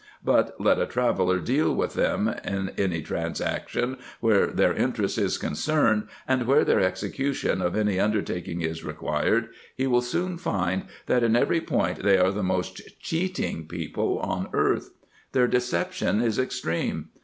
But let a traveller deal with them in any transaction, where their interest is concerned, and where their execution of any undertaking is required, he will soon find, that in every point they are the most cheating people on earth. Their deception is extreme.